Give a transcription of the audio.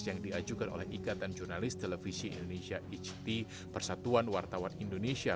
yang diajukan oleh ikatan jurnalis televisi indonesia ijti persatuan wartawan indonesia